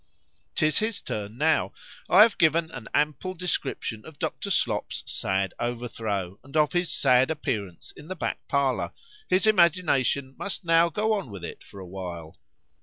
'Tis his turn now;—I have given an ample description of Dr. Slop's sad overthrow, and of his sad appearance in the back parlour;—his imagination must now go on with it for a while.